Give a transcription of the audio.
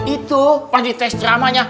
itu pas di tes ceramahnya